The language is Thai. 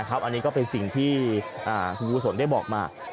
อันนี้ก็เป็นสิ่งที่คุณกุศลได้บอกมา